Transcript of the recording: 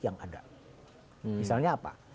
yang ada misalnya apa